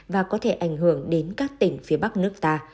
và có thể ảnh hưởng đến các tỉnh phía bắc nước ta